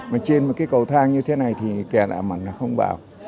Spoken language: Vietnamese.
mà trên một cái cầu thang như thế này thì kẻ lạ mặt nó không vào